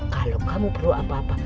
kalau kamu perlu apa apa